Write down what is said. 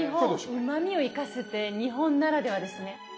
うまみを生かすって日本ならではですね。